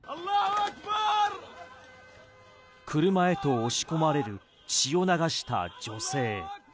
車へと押し込まれる血を流した女性。